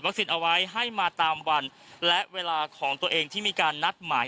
เอาไว้ให้มาตามวันและเวลาของตัวเองที่มีการนัดหมาย